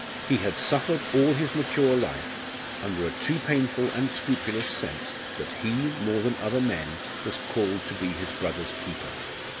He had suffered all his mature life under a too painful and scrupulous sense that he, more than other men, was called to be his brother's keeper.